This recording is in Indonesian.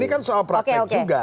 ini kan soal praktek juga